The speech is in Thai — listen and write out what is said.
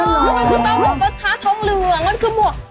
มันคือตั้งกระทะทองเหลืองมันคือหมวก